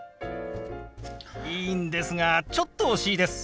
いいんですがちょっと惜しいです。